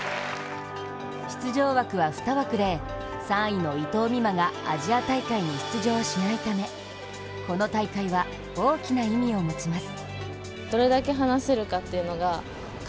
出場枠は２枠で、３位の伊藤美誠がアジア大会に出場しないためこの大会は大きな意味を持ちます。